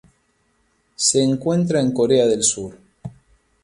Se encuentra en Corea del Sur.